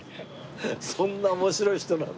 そんな面白い人なんだ。